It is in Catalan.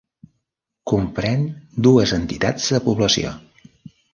Comprèn dues entitats de població: